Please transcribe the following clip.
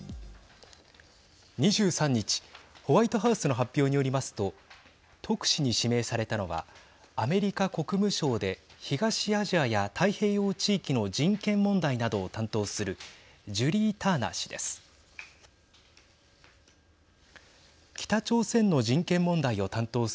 ２３日、ホワイトハウスの発表によりますと特使に指名されたのはアメリカ国務省で東アジアや太平洋地域の人権問題などを担当するジュリー・ターナー氏です。